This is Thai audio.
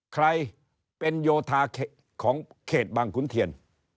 ใครเป็นโยธาของเขตบางขุนเทียน